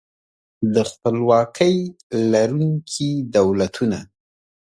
د خپلواکۍ لرونکي دولتونه